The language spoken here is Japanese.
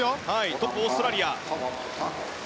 トップはオーストラリア。